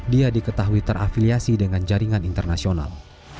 dia diketahui terafiliasi dengan jaringan internasional